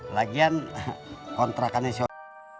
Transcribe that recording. lagian kontrakannya sosok